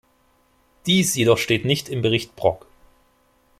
Dies jedoch steht nicht im Bericht Brok.